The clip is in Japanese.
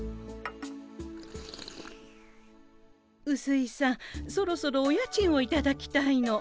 うすいさんそろそろお家賃をいただきたいの。